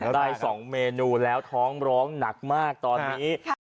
ได้๒เมนูแล้วท้องร้องหนักมากตอนนี้